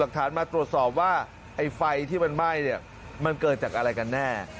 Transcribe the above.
หลักฐานมาตรวจสอบว่าไฟที่มันไหม้เกิดจากอะไรกันแน่